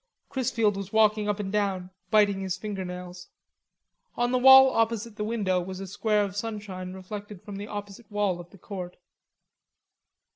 Chrisfield was walking up and down, biting his finger nails. On the wall opposite the window was a square of sunshine reflected from the opposite wall of the Court.